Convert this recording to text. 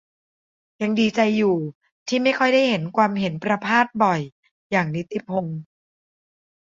ยังดีใจอยู่ที่ไม่ค่อยได้เห็นความเห็นประภาสบ่อยอย่างนิติพงษ์